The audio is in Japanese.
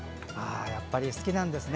やっぱり好きなんですね